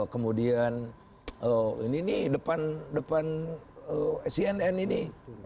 kemudian depan cnn ini